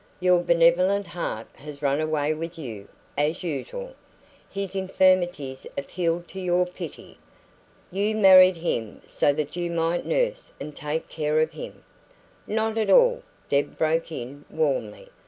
"Your benevolent heart has run away with you, as usual. His infirmities appealed to your pity. You married him so that you might nurse and take care of him " "Not at all!" Deb broke in warmly.